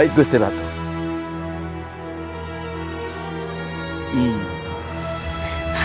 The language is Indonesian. aku sudah mencoba untuk mencoba untuk mencoba